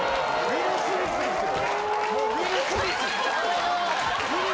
ウィル・スミスですよ。